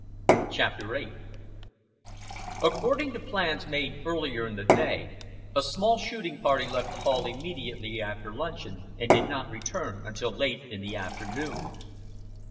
CHAPTER VIII According to plans made earlier in the day, a small shooting party left the Hall immediately after luncheon and did not return until late in the afternoon.